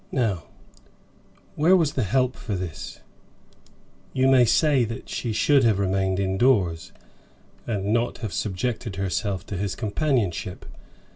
Now, where was the help for this? You may say that she should have remained indoors, and not have subjected herself to his companionship.